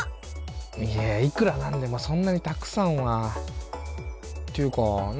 いやいくらなんでもそんなにたくさんは。っていうかな